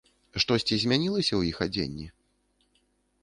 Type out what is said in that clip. Штосьці змянілася ў іх адзенні?